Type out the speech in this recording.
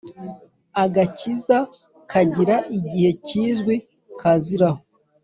Agakiza kagira igihe kizwi kaziraho